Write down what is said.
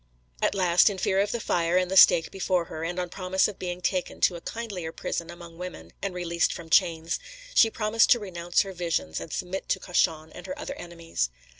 At last, in fear of the fire and the stake before her, and on promise of being taken to a kindlier prison among women, and released from chains, she promised to renounce her visions, and submit to Cauchon and her other enemies.